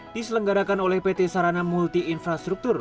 diselenggarakan oleh pt sarana multi infrastruktur